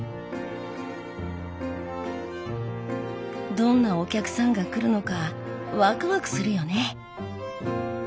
どんなお客さんが来るのかワクワクするよね。